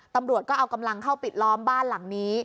ตำรวจก็เอากำลังเข้าปิดล้อมบ้านหลังนี้